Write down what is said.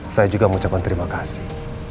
saya juga mengucapkan terima kasih